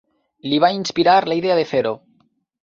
Li va inspirar la idea de fer-ho.